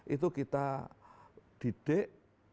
itu kita didek